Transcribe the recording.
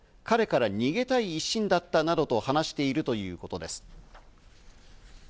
彼から逃げたい一心だったなどと話しているということです。